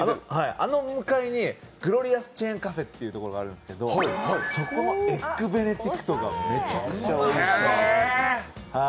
あの向かいにグロリアスチェーンカフェというところがあるんですけど、そこのエッグベネディクトがめちゃくちゃおいしい。